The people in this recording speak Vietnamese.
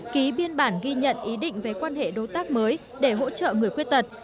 ký biên bản ghi nhận ý định về quan hệ đối tác mới để hỗ trợ người khuyết tật